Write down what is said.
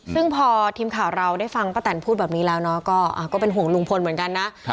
ซึ่งพอทีมข่าวเราได้ฟังป้าแตนพูดแบบนี้แล้วเนาะก็เป็นห่วงลุงพลเหมือนกันนะ